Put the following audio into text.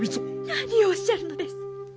何をおっしゃるのです！